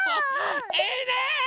いいね！